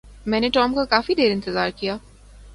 میں نے ٹام کا کافی دیر انتظار کیا۔